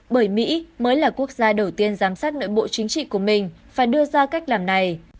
bởi mỹ mới là quốc gia đầu tiên giám sát nội bộ chính trị của mình phải đưa ra cách làm này